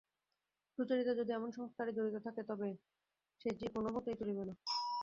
সুচরিতা যদি এমন সংস্কারে জড়িত থাকে তবে সে যে কোনোমতেই চলিবে না।